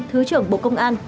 thứ trưởng bộ công an